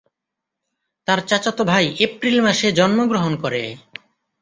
তার চাচাতো ভাই এপ্রিল মাসে জন্মগ্রহণ করে।